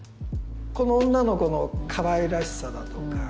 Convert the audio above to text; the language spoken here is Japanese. この女の子のかわいらしさだとか